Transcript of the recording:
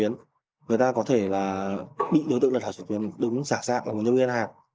người ta có thể là bị đối tượng là thảo trực tuyến đúng giả dạng là một nhân viên ngân hàng